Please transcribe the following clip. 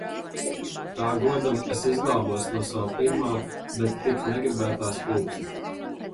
Tā godam es izglābos no sava pirmā, bet tik negribētā skūpsta.